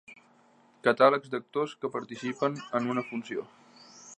Catàlegs d'actors que participen en una funció.